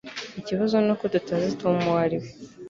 Ikibazo nuko tutazi Tom uwo ari we